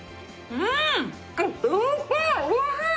うん！